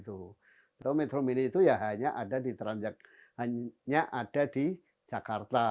tapi metro mini itu hanya ada di jakarta